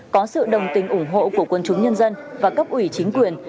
có sự đồng tình ủng hộ của quân chúng nhân dân và cấp ủy chính quyền